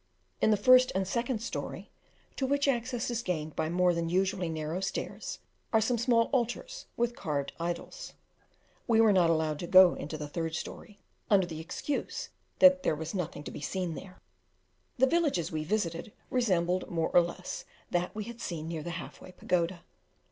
In the first and second story, to which access is gained by more than usually narrow stairs, are some small altars with carved idols. We were not allowed to go into the third story, under the excuse that there was nothing to be seen there. The villages we visited, resembled more or less, that we had seen near the Half way Pagoda.